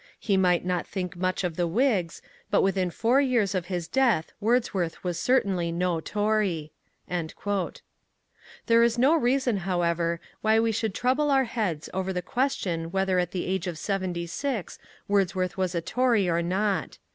He might not think much of the Whigs, but within four years of his death Wordsworth was certainly no Tory. There is no reason, however, why we should trouble our heads over the question whether at the age of seventy six Wordsworth was a Tory or not.